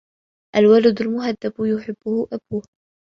الْوَلَدُ الْمُهَذَّبُ يُحِبُّهُ أَبُوه.